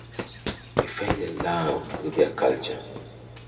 He fell in love with their culture.